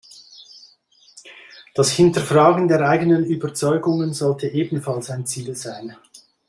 Das Hinterfragen der eigenen Überzeugungen sollte ebenfalls ein Ziel sein.